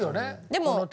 でも。